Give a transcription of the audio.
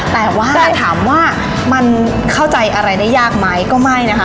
แต่ว่าถามว่ามันเข้าใจอะไรได้ยากไหมก็ไม่นะคะ